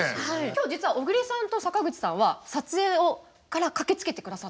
今日実は小栗さんと坂口さんは撮影から駆けつけてくださってます。